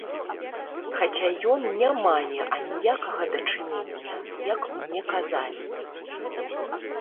Хаця ён не мае аніякага дачынення, як мне казалі.